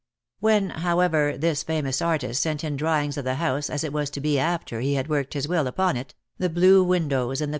. When, however, this famous artist sent in draw ings of the house as it was to be after he had worked his will upon it, the blue windows and ■iq8 dead love has chains.